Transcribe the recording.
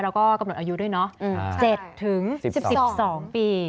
แล้วก็กำหนดอายุด้วยเนอะ๗๑๒ปี